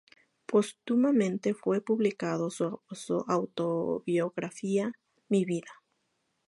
Póstumamente fue publicado su autobiografía "Mi vida".